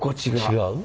違う？